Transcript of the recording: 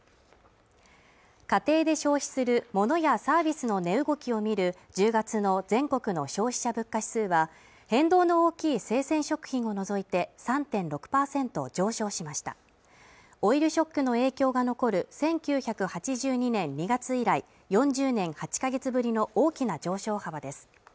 家庭で消費するモノやサービスの値動きを見る１０月の全国の消費者物価指数は変動の大きい生鮮食品を除いて３．６％上昇しましたオイルショックの影響が残る１９８２年２月以来４０年８か月ぶりの大きな上昇幅です